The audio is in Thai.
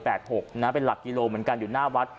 เป็นหลักกิโลเหมือนกันอยู่หน้าวัด